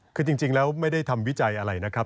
คือจริงแล้วไม่ได้ทำวิจัยอะไรนะครับ